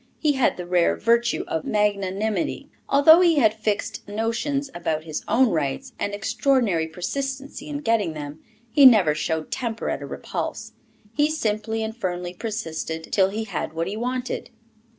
He had the rare virtue of magnanimity. Although he had fixed notions about his own rights, and extraordinary persistency in getting them, he never showed temper at a repulse; he simply and firmly persisted till he had what he wanted.